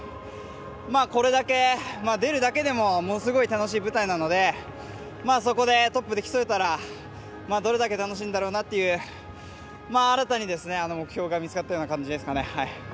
これだけ、出るだけでもものすごい楽しい舞台なのでそこで、トップで競えたら、どれだけ楽しいんだろうなっていう新たに、目標が見つかったような感じですかね。